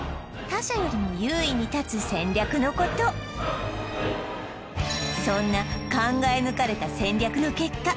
他社よりも優位に立つ戦略のことそんな考え抜かれた戦略の結果